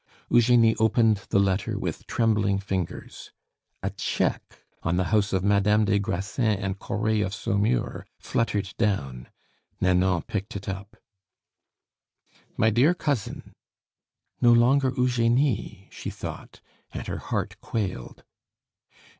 Eugenie opened the letter with trembling fingers. A cheque on the house of "Madame des Grassins and Coret, of Saumur," fluttered down. Nanon picked it up. My dear Cousin, "No longer 'Eugenie,'" she thought, and her heart quailed.